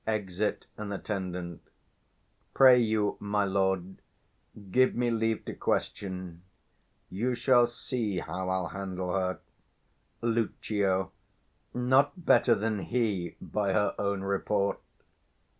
[Exit an Attendant.] Pray you, my lord, give me leave to question; you shall see how I'll handle 270 her. Lucio. Not better than he, by her own report.